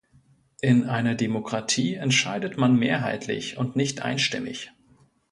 In einer Demokratie entscheidet man mehrheitlich und nicht einstimmig.